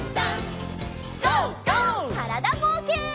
からだぼうけん。